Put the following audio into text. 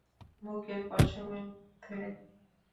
বুকের পশমের মধ্যে?